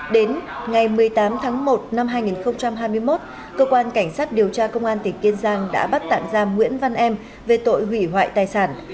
đến ngày một mươi tám tháng một năm hai nghìn hai mươi một cơ quan cảnh sát điều tra công an tỉnh kiên giang đã bắt tạm giam nguyễn văn em về tội hủy hoại tài sản